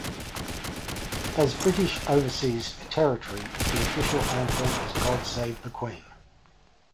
As British Overseas Territory the official anthem is God Save the Queen.